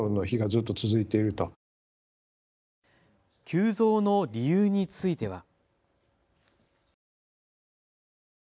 急増の理由については。